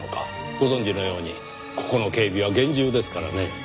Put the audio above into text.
ご存じのようにここの警備は厳重ですからね。